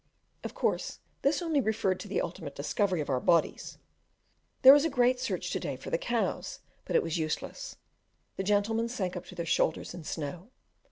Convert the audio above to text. Of course this only referred to the ultimate discovery of our bodies. There was a great search to day for the cows, but it was useless, the gentlemen sank up to their shoulders in snow.